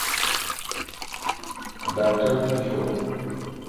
ڈاکٹر دی چو۔